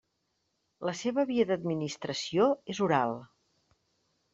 La seva via d'administració és oral.